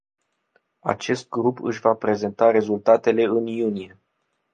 Acest grup își va prezenta rezultatele în iunie.